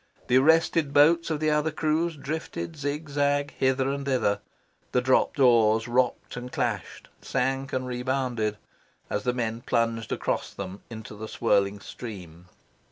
The arrested boats of the other crews drifted zigzag hither and thither. The dropped oars rocked and clashed, sank and rebounded, as the men plunged across them into the swirling stream.